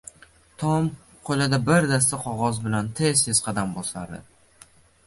Tom qo`lida bir dasta qog`oz bilan tez-tez qadam bosardi